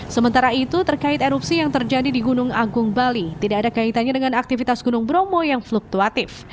sementara itu terkait erupsi yang terjadi di gunung agung bali tidak ada kaitannya dengan aktivitas gunung bromo yang fluktuatif